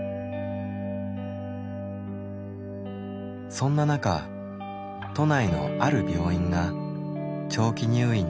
そんな中都内のある病院が長期入院の病棟を閉鎖。